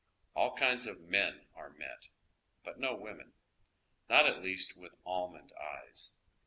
All kinds of men are met, but no women— none at least with almond eyes.